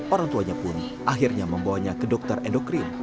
orang tuanya pun akhirnya membawanya ke dokter endokrin